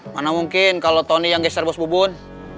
mana mungkin kalau tony yang geser bos bubun